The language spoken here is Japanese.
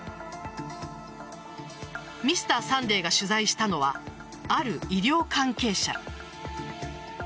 「Ｍｒ．サンデー」が取材したのはある医療関係者。